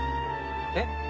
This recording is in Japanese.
えっ？